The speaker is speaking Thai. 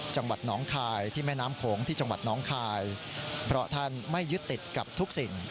จังหวัดน้องคายที่แม่น้ำโขงที่จังหวัดน้องคายเพราะท่านไม่ยึดติดกับทุกสิ่ง